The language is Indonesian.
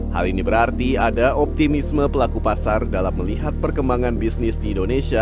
hal ini berarti ada optimisme pelaku pasar dalam melihat perkembangan bisnis di indonesia